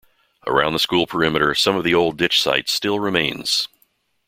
Around the school perimeter some of the old ditch site still remains.